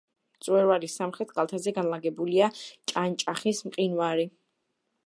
მწვერვალის სამხრეთ კალთაზე განლაგებულია ჭანჭახის მყინვარი.